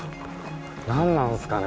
何なんですかね？